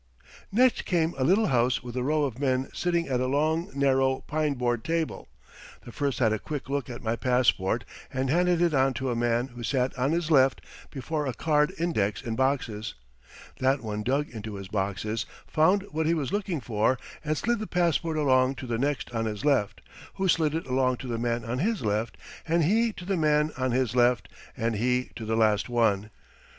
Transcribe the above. Next came a little house with a row of men sitting at a long, narrow pine board table. The first had a quick look at my passport and handed it on to a man who sat on his left before a card index in boxes. That one dug into his boxes, found what he was looking for, and slid the passport along to the next on his left, who slid it along to the man on his left, and he to the man on his left, and he to the last one.